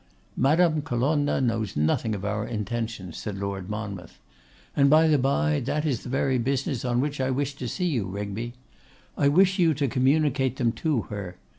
'Madame Colonna knows nothing of our intentions,' said Lord Monmouth. 'And by the bye, that is the very business on which I wish to see you, Rigby. I wish you to communicate them to her.